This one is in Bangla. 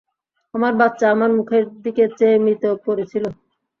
আমার বাচ্চা আমার মুখের দিকে চেয়ে মৃত পড়ে ছিল।